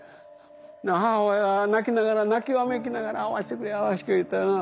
母親は泣きながら泣きわめきながら「会わせてくれ会わせてくれ」ってな。